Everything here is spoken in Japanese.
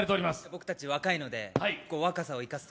僕たち若いので、若さを生かす。